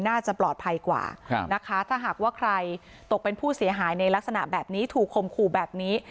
น่าจะปลอดภัยกว่านะคะถ้าหากว่าใครตกเป็นผู้เสียหายในลักษณะแบบนี้ถูกคมขู่แบบนี้